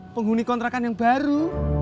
penghuni kontrakan yang baru